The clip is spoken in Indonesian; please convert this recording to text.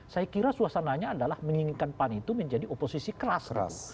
saya kira suasananya adalah menginginkan pan itu menjadi oposisi keras